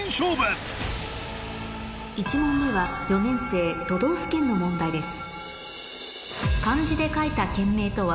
１問目は４年生都道府県の問題です